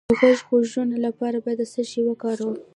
د غوږ د غږونو لپاره باید څه شی وکاروم؟